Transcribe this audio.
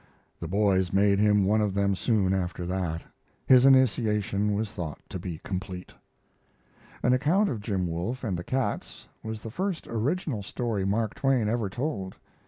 The boys made him one of them soon after that. His initiation was thought to be complete. An account of Jim Wolfe and the cats was the first original story Mark Twain ever told.